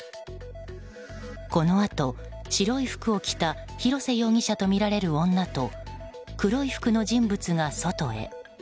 このあと白い服を着た広瀬容疑者とみられる女と黒い服の人物が外へ。